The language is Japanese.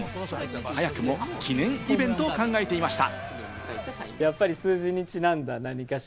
早くも記念イベントを考えていました。